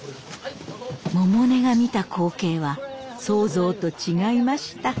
百音が見た光景は想像と違いました。